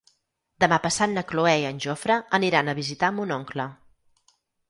Demà passat na Cloè i en Jofre aniran a visitar mon oncle.